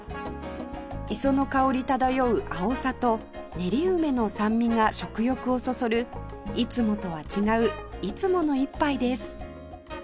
磯の香り漂うアオサと練り梅の酸味が食欲をそそるいつもとは違ういつもの一杯です